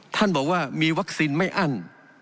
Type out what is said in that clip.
ท่านบอกว่ามีวัคซีนไม่อั้น